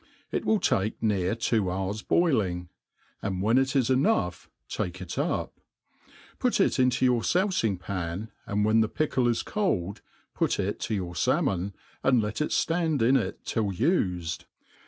It will take near two hours boiling ; and when it is enough, take it up : put it into your foufing pan, and when the pickle is cold', put it to youf falmon, and let it ftaod in it till ufed.